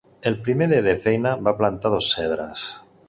El primer dia de feina va plantar dos cedres.